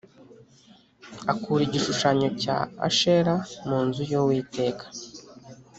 Akura igishushanyo cya ashera mu nzu y uwiteka